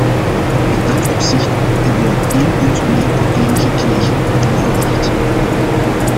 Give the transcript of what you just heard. In dat opzicht hebben we op één punt meer problemen gekregen dan verwacht.